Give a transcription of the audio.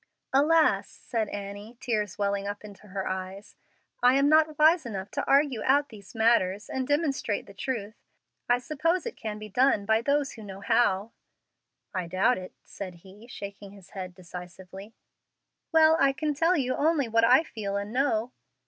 "Alas!" said Annie, tears welling up into her eyes, "I am not wise enough to argue out these matters and demonstrate the truth. I suppose it can be done by those who know how." "I doubt it," said he, shaking his head decisively. "Well, I can tell you only what I feel and know."